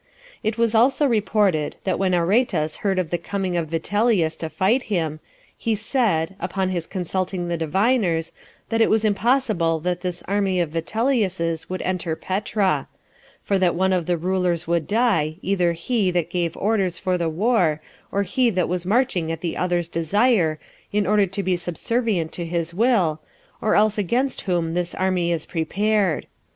It was also reported, that when Aretas heard of the coming of Vitellius to fight him, he said, upon his consulting the diviners, that it was impossible that this army of Vitellius's could enter Petra; for that one of the rulers would die, either he that gave orders for the war, or he that was marching at the other's desire, in order to be subservient to his will, or else he against whom this army is prepared.